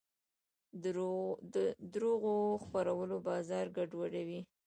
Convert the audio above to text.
د دروغو خپرول بازار ګډوډوي.